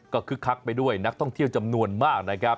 ก็คึกคักไปด้วยนักท่องเที่ยวจำนวนมากนะครับ